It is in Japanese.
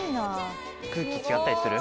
空気違ったりする？